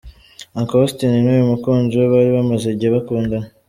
Uncle Austin n'uyu mukunzi we bari bamaze igihe bakundana.